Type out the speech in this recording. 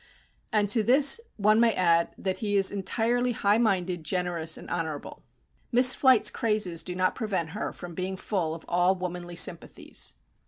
And to this one may add that he is entirely high minded, generous, and honourable. Miss Flite's crazes do not prevent her from being full of all womanly sympathies.